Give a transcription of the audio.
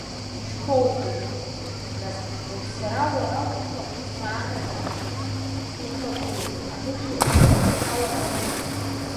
Ишԥоубои, нас, уажәы сара уара уҭыԥ аҟны саанаган, сухагылоуп, анышә еимаԥсара салагарыма?